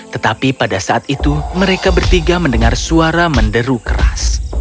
tetapi pada saat itu mereka bertiga mendengar suara menderu keras